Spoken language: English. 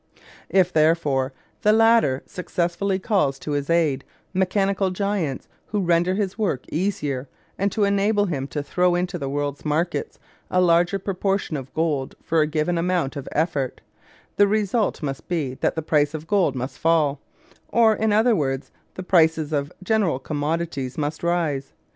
If, therefore, the latter successfully calls to his aid mechanical giants who render his work easier and who enable him to throw into the world's markets a larger proportion of gold for a given amount of effort, the result must be that the price of gold must fall, or, in other words, the prices of general commodities must rise.